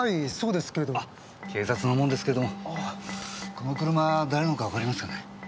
この車誰のかわかりますかね？